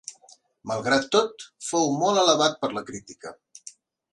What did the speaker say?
Malgrat tot, fou molt alabat per la crítica.